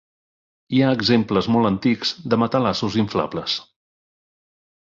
Hi ha exemples molt antics de matalassos inflables.